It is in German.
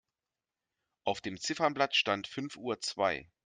Auf dem Ziffernblatt stand fünf Uhr zwei.